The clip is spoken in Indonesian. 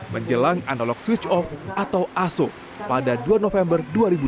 menjelang analog switch off atau aso pada dua november dua ribu dua puluh